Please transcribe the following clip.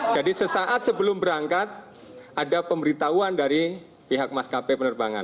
jadi sesaat sebelum berangkat ada pemberitahuan dari pihak maskapai penerbangan